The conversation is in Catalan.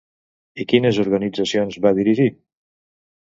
I quines organitzacions va dirigir?